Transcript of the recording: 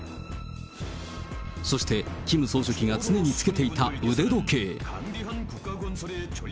そして、キム総書記が常につけていた腕時計。